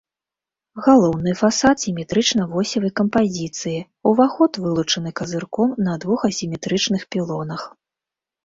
Галоўны фасад сіметрычна-восевай кампазіцыі, уваход вылучаны казырком на двух асіметрычных пілонах.